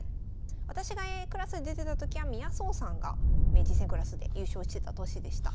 私がＡクラスで出てた時は宮宗さんが名人戦クラスで優勝してた年でした。